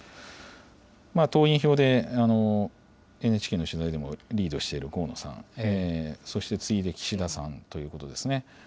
党員票でＮＨＫの取材でもリードしている河野さん、そして次いで岸田さんということですね。